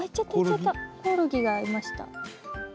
コオロギがいました。